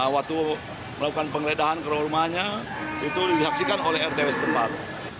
waktu melakukan pengredahan kerumahnya itu dilaksikan oleh rtw setempat